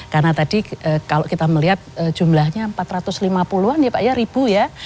karena tadi kalau kita melihat jumlahnya empat ratus lima puluh an ya pak ya ribu ya